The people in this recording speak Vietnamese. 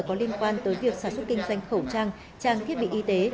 có liên quan tới việc sản xuất kinh doanh khẩu trang trang thiết bị y tế